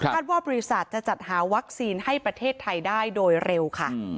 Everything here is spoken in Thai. ว่าบริษัทจะจัดหาวัคซีนให้ประเทศไทยได้โดยเร็วค่ะ